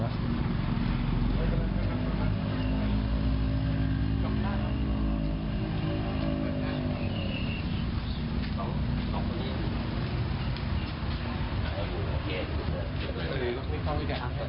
อุ๊ยน้องพ่อเรียก